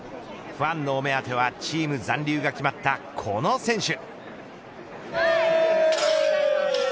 ファンのお目当てはチーム残留が決まったこの選手。